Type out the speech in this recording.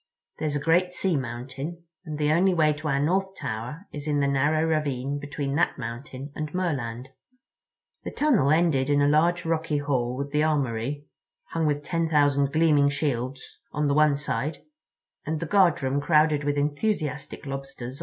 There's a great sea mountain, and the only way to our North Tower is in the narrow ravine between that mountain and Merland." The tunnel ended in a large rocky hall with the armory, hung with ten thousand gleaming shields, on the one side, and the guardroom crowded with enthusiastic Lobsters on the other.